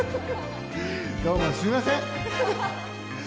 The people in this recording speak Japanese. どうもすみません。